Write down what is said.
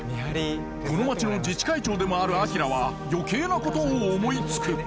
この町の自治会長でもある明は余計なことを思いつく！